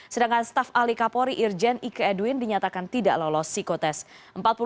sedangkan staf ahli kapolri irjen ike edwin dinyatakan tidak lolos psikotest